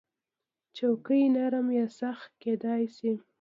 چوکۍ نرم یا سخت کېدای شي.